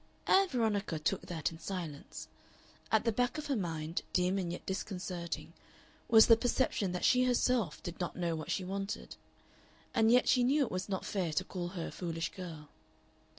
Ann Veronica took that in silence. At the back of her mind, dim and yet disconcerting, was the perception that she herself did not know what she wanted. And yet she knew it was not fair to call her a foolish girl.